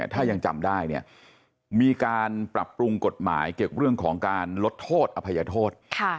ถ้ายังจำได้เนี่ยมีการปรับปรุงกฎหมายเกี่ยวกับเรื่องของการลดโทษอภัยโทษ